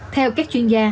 theo các chuyên gia